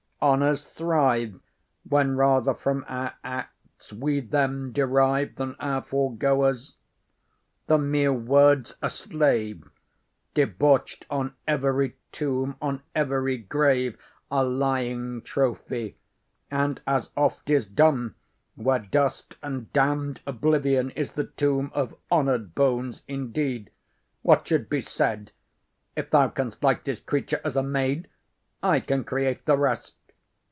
Honours thrive When rather from our acts we them derive Than our fore goers. The mere word's a slave, Debauch'd on every tomb, on every grave A lying trophy, and as oft is dumb Where dust and damn'd oblivion is the tomb Of honour'd bones indeed. What should be said? If thou canst like this creature as a maid, I can create the rest.